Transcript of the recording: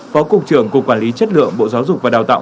phó cục trưởng cục quản lý chất lượng bộ giáo dục và đào tạo